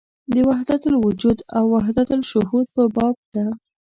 د وحدت الوجود او وحدت الشهود په باب ده.